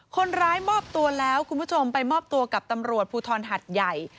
คนร้ายมอบตัวแล้วคุณผู้ชมไปมอบตัวกับตำรวจภูทรหัดใหญ่